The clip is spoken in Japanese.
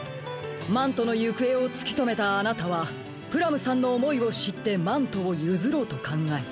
マントのゆくえをつきとめたあなたはプラムさんのおもいをしってマントをゆずろうとかんがえた。